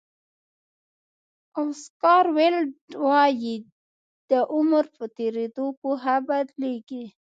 اوسکار ویلډ وایي د عمر په تېرېدو پوهه بدلېږي.